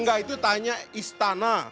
nggak itu tanya istana